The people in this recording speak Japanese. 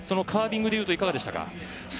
カービングでいうといかがでしたか？